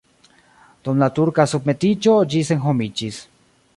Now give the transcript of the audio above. Dum la turka submetiĝo ĝi senhomiĝis.